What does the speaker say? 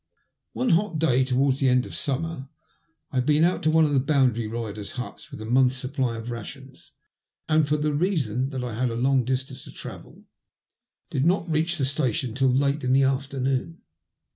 One hot day, towards the end of sxmimer, I had been out to one of the boundary rider's huts with the month's supply of rations, and, for the reason that I had a long distance to travel, did not reach the station till late in the afternoon.